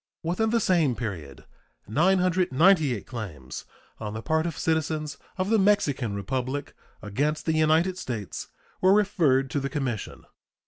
Within the same period 998 claims on the part of citizens of the Mexican Republic against the United States were referred to the commission.